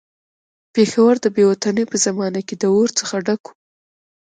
پېښور د بې وطنۍ په زمانه کې د اور څخه ډک وو.